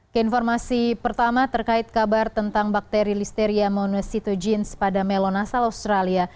keinformasi pertama terkait kabar tentang bakteri listeria monositogenes pada melon asal australia